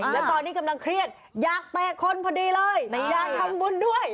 แล้วตอนนี้กำลังเครียดอยากเตะคนพอดีเลยอยากทำบุญด้วย